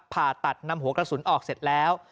ผ่าตัดนำหัวกระสุนออกเสร็จแล้ว